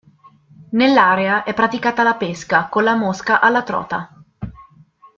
Nell'area è praticata la pesca con la mosca alla trota.